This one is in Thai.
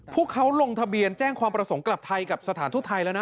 พวกเขาลงทะเบียนแจ้งความประสงค์กลับไทยกับสถานทูตไทยแล้วนะ